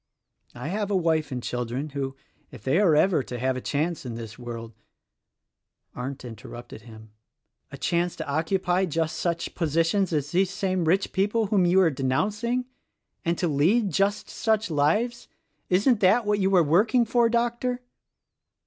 I have a wife and children who, if they are ever to have a chance in this world —" Arndt interrupted him. "A chance to occupy just such positions as these same rich people whom you are denouncing, and to lead just such lives — isn't that what you are working for, Doctor?"